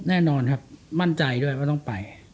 แน่นอนครับมั่นใจด้วยว่าต้องไป